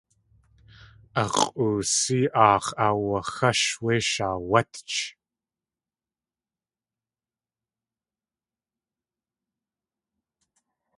A x̲ʼoosí aax̲ aawaxásh wé shaawátch.